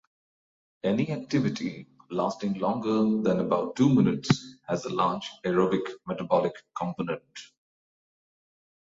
Any activity lasting longer than about two minutes has a large aerobic metabolic component.